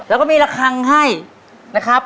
แล้วก็มีระคังให้นะครับ